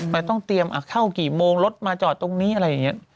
มันต้องเตรียมเข้ากี่โมงรถมาจอดตรงนี้อะไรอย่างนี้